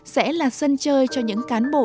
sẽ là sân chơi cho những cán bộ